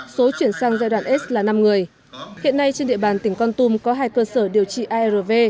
số chuyển sang giai đoạn s là năm người hiện nay trên địa bàn tỉnh con tum có hai cơ sở điều trị arv